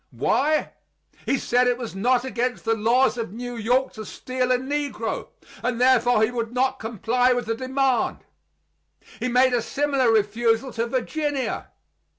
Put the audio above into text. Why? He said it was not against the laws of New York to steal a negro, and therefore he would not comply with the demand. He made a similar refusal to Virginia.